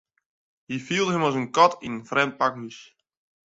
Hy fielt him as in kat yn in frjemd pakhús.